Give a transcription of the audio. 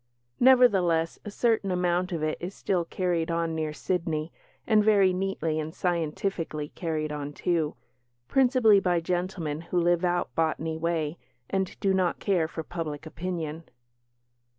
Nevertheless, a certain amount of it is still carried on near Sydney, and very neatly and scientifically carried on, too principally by gentlemen who live out Botany way and do not care for public opinion.